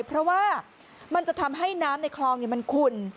เพราะว่ามันจะทำให้น้ำในคลองมันขุ่น